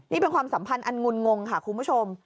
นี่เป็นความสัมพันธ์อันงุนงงค่ะคุณผู้ชม